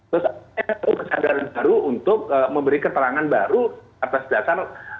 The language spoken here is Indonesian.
terus ada kesadaran baru untuk memberi keterangan baru atas dasar